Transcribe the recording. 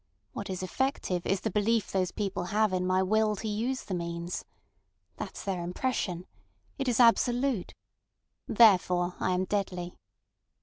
What is effective is the belief those people have in my will to use the means. That's their impression. It is absolute. Therefore I am deadly."